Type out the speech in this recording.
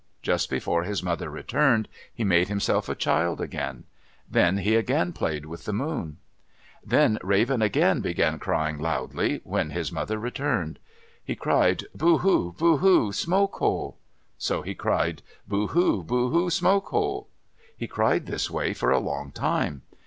Just before his mother returned, he made himself a child again. Then he again played with the moon. Then Raven again began crying loudly, when his mother returned. He cried, "Boo hoo, boo hoo, smoke hole!" So he cried, "Boo hoo, boo hoo, smoke hole!" He cried this way for a long time.